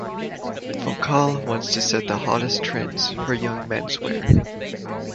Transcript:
Vokal wants to set the hottest trends for young menswear.